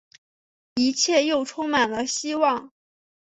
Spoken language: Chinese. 一切又充满了希望